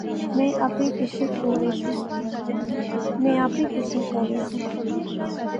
میں آپی تسیں کول ایساں